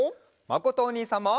まことおにいさんも！